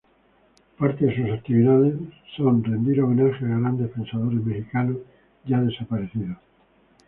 Parte de sus actividades es rendir homenaje a grandes pensadores mexicanos ya desaparecidos.